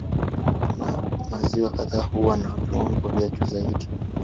Maziwa kadhaa huwa na viwango vya juu zaidi.